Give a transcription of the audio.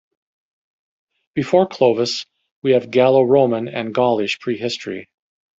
Before Clovis, we have Gallo-Roman and Gaulish prehistory.